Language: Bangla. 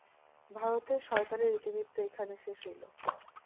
ভারতের শয়তানের ইতিবৃত্ত এইখানে শেষ হইল।